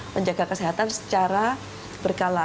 menjaga kesehatan secara berkala